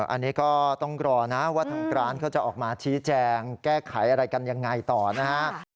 อันนี้ก็ต้องรอนะว่าทางร้านเขาจะออกมาชี้แจงแก้ไขอะไรกันยังไงต่อนะฮะ